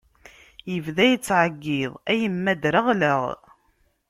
Yebda yettɛeyyiḍ: a yemma ddreɣleɣ!